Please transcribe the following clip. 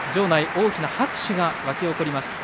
大きな拍手が沸き起こりました。